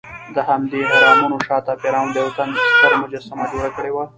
دهمدې اهرامونو شاته فرعون د یوه تن ستره مجسمه جوړه کړې وه.